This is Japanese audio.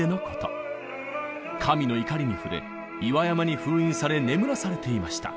神の怒りに触れ岩山に封印され眠らされていました。